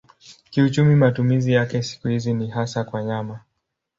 Kiuchumi matumizi yake siku hizi ni hasa kwa nyama.